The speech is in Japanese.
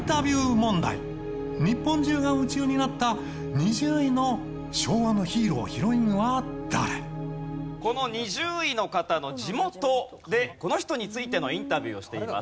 ２０位の昭和のヒーロー＆ヒロインはこの２０位の方の地元でこの人についてのインタビューをしています。